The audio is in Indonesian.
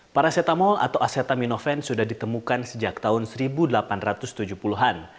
paracetamol atau acetaminofen sudah ditemukan sejak tahun seribu delapan ratus tujuh puluh an